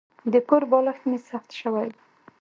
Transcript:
د کور بالښت مې سخت شوی و.